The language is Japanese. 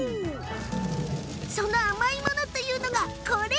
その甘いものというのがこれ。